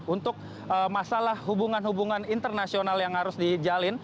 untuk masalah hubungan hubungan internasional yang harus dijalin